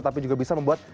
tapi juga bisa membuat